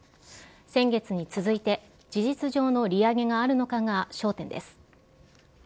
先月に続いて事実上の利上げがあるのかが焦点です。